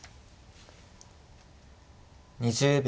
２０秒。